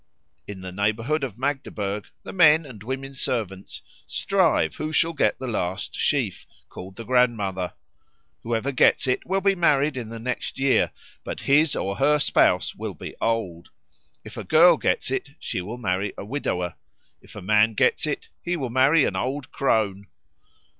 In the neighbourhood of Magdeburg the men and women servants strive who shall get the last sheaf, called the Grandmother. Whoever gets it will be married in the next year, but his or her spouse will be old; if a girl gets it, she will marry a widower; if a man gets it, he will marry an old crone.